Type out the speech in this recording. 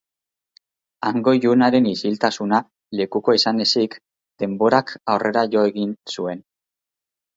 Hango ilunaren isiltasuna lekuko izan ezik, denborak aurrera jo egin zuen.